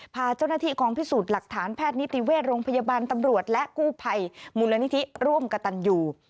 พาเจ้าหน้าที่กองพิสูจน์หลักฐานแพทย์นิติเวชโรงพยาบาลตำรวจและกู้ภัยมูลนิธิร่วมกระตันอยู่